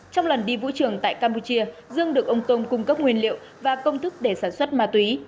trong lần đi vũ trường tại campuchia dương được ông tông cung cấp nguyên liệu và công thức để sản xuất ma túy